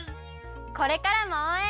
これからもおうえん。